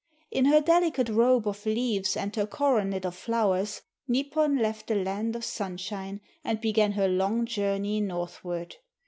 In her delicate robe of leaves and her coronet of flowers Nipon left the Land of Sunshine and began her long journey northward.